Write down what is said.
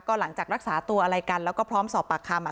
หลังจากรักษาตัวอะไรกันแล้วก็พร้อมสอบปากคำ